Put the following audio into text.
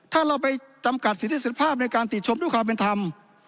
ถ้าเราไปจำกัดสิทธิสิทธิภาพในการติดชมด้วยความเป็นธรรม